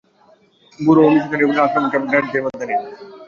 বুড়ো মিশনরীগুলোর আক্রমণকে আমি গ্রাহ্যের মধ্যে আনি না।